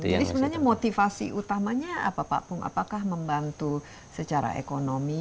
jadi sebenarnya motivasi utamanya apapun apakah membantu secara ekonomi